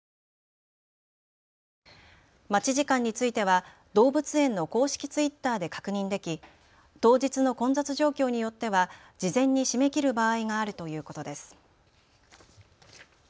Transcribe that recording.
待ち時間については動物園の公式Ｔｗｉｔｔｅｒで確認でき当日の混雑状況によっては事前に締め切る場合があるということです。